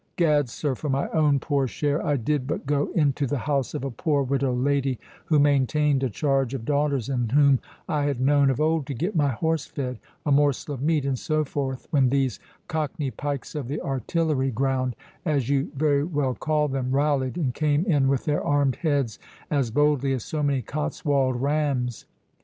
Gad, sir, for my own poor share, I did but go into the house of a poor widow lady, who maintained a charge of daughters, and whom I had known of old, to get my horse fed, a morsel of meat, and so forth, when these cockney pikes of the artillery ground, as you very well call them, rallied, and came in with their armed heads, as boldly as so many Cotswold rams.